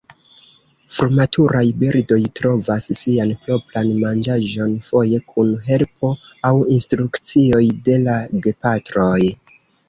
Frumaturaj birdoj trovas sian propran manĝaĵon, foje kun helpo aŭ instrukcioj de la gepatroj.